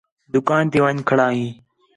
تی دُکان تی ون٘ڄ کھڑا ہِے